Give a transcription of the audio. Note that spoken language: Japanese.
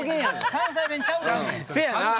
関西弁ちゃうやん！